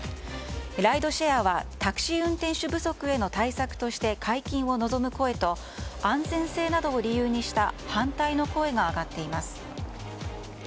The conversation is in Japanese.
ライドシェアはタクシー運転手不足への対策として解禁を望む声と安全性などを理由にした反対の声が上がっています。